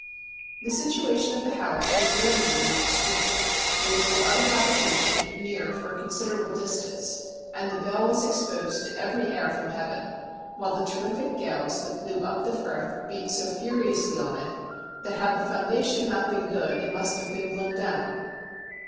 The situation of the house was lonely in the extreme. There was no other habitation near for a considerable distance, and the Bell was exposed to every air from heaven, while the terrific gales that blew up the Firth beat so furiously on it, that had the foundation not been good it must have been bkmn down.